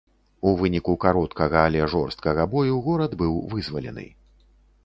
У выніку кароткага, але жорсткага бою, горад быў вызвалены.